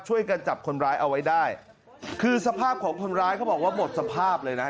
ช่วยกันจับคนร้ายเอาไว้ได้คือสภาพของคนร้ายเขาบอกว่าหมดสภาพเลยนะ